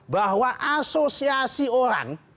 bahwa asosiasi orang